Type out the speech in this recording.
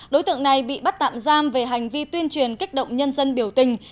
đối tượng này bị bắt tạm giam về hành vi tuyên truyền kích động nhân dân biểu tình